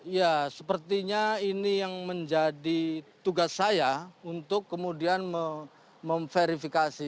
ya sepertinya ini yang menjadi tugas saya untuk kemudian memverifikasi